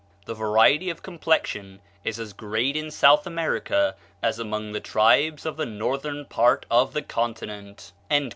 The variety of complexion is as great in South America as among the tribes of the northern part of the continent."